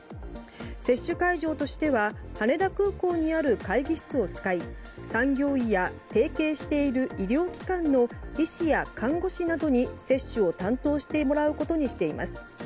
接種会場としては羽田空港にある会議室を使い産業医や提携している医療機関の医師や看護師などに接種を担当してもらうことにしています。